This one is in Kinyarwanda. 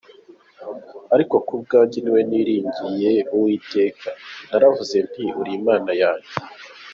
Ariko ku bwanjye ni wowe niringiye Uwiteka, Naravuze nti “Uri Imana yanjye.”